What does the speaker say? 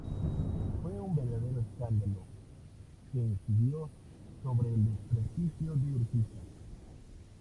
Fue un verdadero escándalo, que incidió sobre el desprestigio de Urquiza.